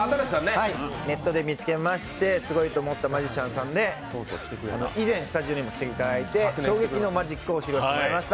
ネットで見つけましてすごいと思ったマジシャンさんで以前、スタジオにも来ていただいて衝撃のマジックを披露していただきました。